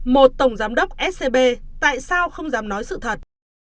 một tổng giám đốc scb tại sao không dám nói sự thật